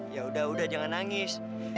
ya udah udah jangan nangis